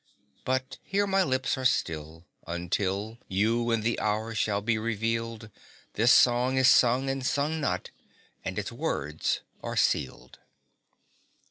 But here my lips are still. Until You and the hour shall be revealed, This song is sung and sung not, and its words are sealed.